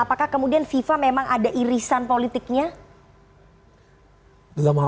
apakah kemudian fifa memang ada irisan politiknya